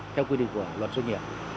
theo quy định của luật xuất nghiệp